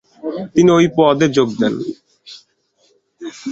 তিনি ঐ পদে যোগ দেন।